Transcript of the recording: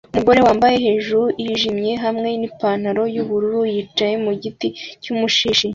Umugore wambaye hejuru yijimye hamwe nipantaro yubururu yicaye mugiti cyumushishi